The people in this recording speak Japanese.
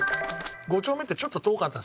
５丁目ってちょっと遠かったんですよ